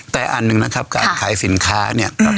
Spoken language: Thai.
แต่อันหนึ่งนะครับการขายสินค้าเนี่ย